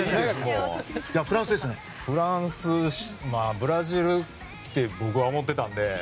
ブラジルって僕は思ってたので。